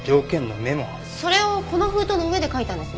それをこの封筒の上で書いたんですね。